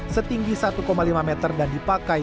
setinggi satu lima meter dan dipakai